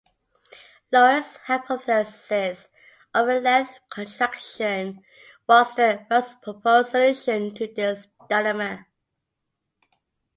Lorentz's hypothesis of a length contraction was the first proposed solution to this dilemma.